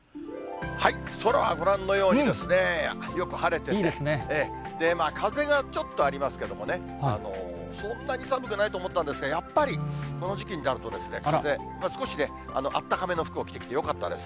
空はご覧のように、よく晴れて、風がちょっとありますけどもね、そんなに寒くないと思ったんですが、やっぱりこの時期になると風、少しね、あったかめの服、着てきてよかったです。